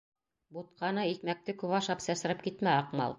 — Бутҡаны, икмәкте күп ашап сәсрәп китмә, Аҡмал.